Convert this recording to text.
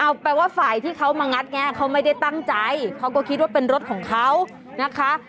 เอาแปลว่าฝ่ายที่เขามางัดแงะเขาไม่ได้ตั้งใจเขาก็คิดว่าเป็นรถของเขานะคะ